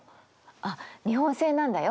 あっ日本製なんだよ。